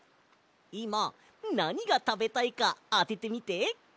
いまなにがたべたいかあててみて！